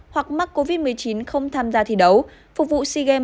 hoặc mắc covid một mươi chín không tham gia thi đấu